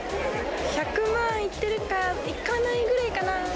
１００万いってるか、いかないぐらいかな。